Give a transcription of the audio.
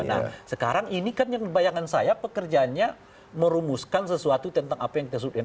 nah sekarang ini kan yang bayangan saya pekerjaannya merumuskan sesuatu tentang apa yang kita sebutkan